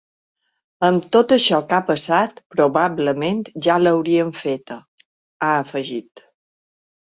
Amb tot això que ha passat probablement ja l’haurien feta, ha afegit.